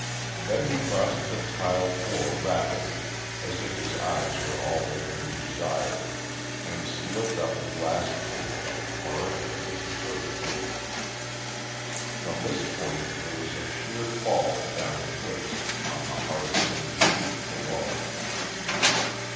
Then he crossed the tiled floor rapidly as if his eyes were all that could be desired, and slipped up a glass panel at the far end of the conservatory. From this point there was a sheer fall down the cliffs on to a hard sandy beach below.